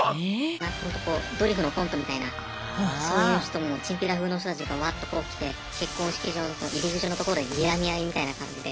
なんかホントこうドリフのコントみたいなそういうちょっともうチンピラ風の人たちがうわっとこう来て結婚式場の入り口のとこでにらみ合いみたいな感じで。